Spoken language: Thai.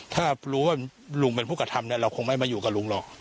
ถ้ารู้ว่าลุงเป็นผู้กระทำเราคงไม่มาอยู่กับลุงหรอก